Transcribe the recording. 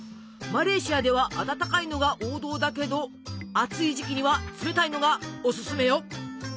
マレーシアでは温かいのが王道だけど暑い時期には冷たいのがオススメよ！